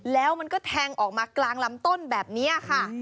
แล้วมันก็แทงออกมากลางลำต้นแบบนี้ค่ะ